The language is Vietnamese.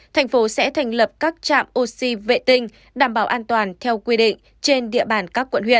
thành phố sẽ thành lập các trạm oxy vệ tinh đảm bảo an toàn theo quy định trên địa bàn các quận huyện